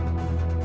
aku mau ke rumah